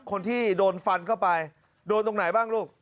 คนที่โดนฟันเข้าไปโดนตรงไหนบ้างลูก